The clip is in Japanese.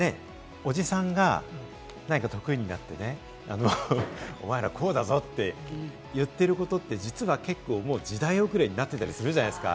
おじさんが得意になってね、お前らこうだぞ！って言っていることって実は結構、もう時代遅れになってたりするじゃないですか。